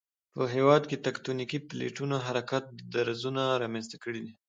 په هېواد کې تکتونیکی پلیټو حرکت درزونه رامنځته کړي دي